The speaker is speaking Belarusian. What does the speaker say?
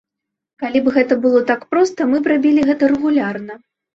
Калі б гэта было так проста, мы б рабілі гэта рэгулярна.